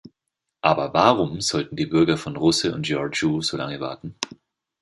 Aber warum sollten die Bürger von Russe und Giurgiu so lange warten?